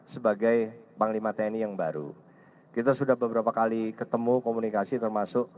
sebagai panglima tni yang baru kita sudah beberapa kali ketemu komunikasi termasuk